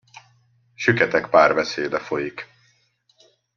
Süketek párbeszéde folyik.